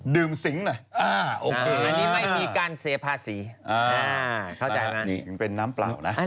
ดื่มสิงหรออันนี้ไม่มีการเสียภาษีเข้าใจมั้ยเป็นน้ำเปล่านะ